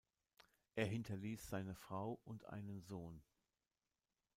Er hinterließ seine Frau und einen Sohn.